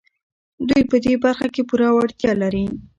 دوی په دې برخه کې پوره وړتيا لري.